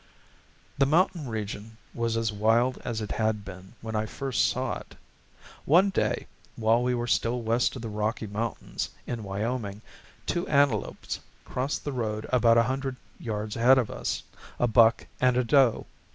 The mountain region was as wild as it had been when I first saw it. One day, while we were still west of the Rocky Mountains, in Wyoming, two antelopes crossed the road about a hundred yards ahead of us, a buck and a doe.